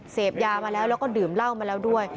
เสพยามาแล้วแล้วก็ดื่มเหล้ามาแล้วด้วย